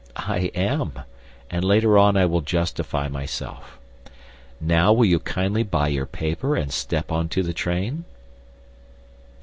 I am. And later on I will justify myself. Now will you kindly buy your paper and step into the train?